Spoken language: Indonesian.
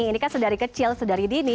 ini kan sedari kecil sedari dini